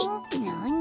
なに？